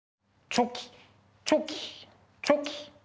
チョキチョキチョキ。